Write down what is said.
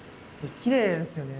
きれいですよね。